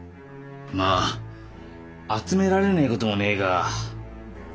まあ集められねえ事もねえが。